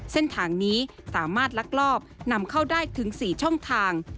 เส้นทางนี้สามารถลักลอบนำเข้าได้ถึง๔ช่องทาง